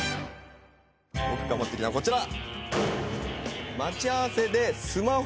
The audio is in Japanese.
僕が持ってきたのこちら！